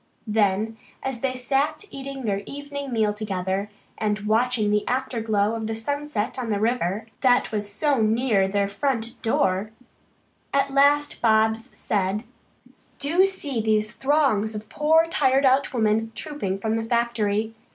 Then, as they sat eating their evening meal together and watching the afterglow of the sunset on the river, that was so near their front door, at last Bobs said: "Do see those throngs of poor tired out women trooping from the factory.